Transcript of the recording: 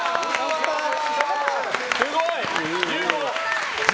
すごい！